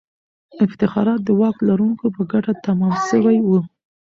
افتخارات د واک لرونکو په ګټه تمام سوي وو.